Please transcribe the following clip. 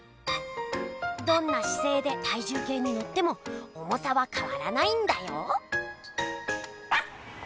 どんなしせいで体重けいにのっても重さはかわらないんだよ。